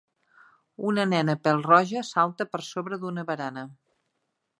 Una nena pèl-roja salta per sobre d'una barana